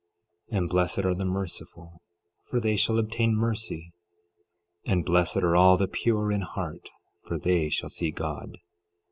12:7 And blessed are the merciful, for they shall obtain mercy. 12:8 And blessed are all the pure in heart, for they shall see God.